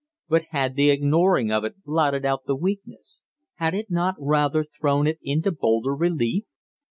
But had the ignoring of it blotted out the weakness? Had it not rather thrown it into bolder relief?